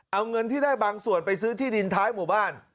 เอาเงินที่ได้บางส่วนไปซื้อที่ดินท้ายหมู่บ้าน